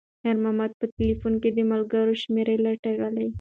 خیر محمد په تلیفون کې د ملګرو شمېرې لټولې.